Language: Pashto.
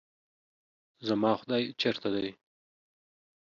زما خداے چرته دے؟